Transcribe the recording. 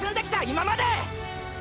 今まで！！